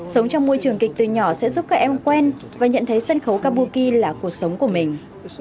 sống trong môi trường kịch từ nhỏ sẽ giúp các em quen và nhận thấy sân khấu kabuki là cuộc sống của mình